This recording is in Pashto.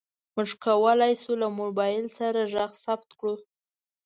موږ کولی شو له موبایل سره غږ ثبت کړو.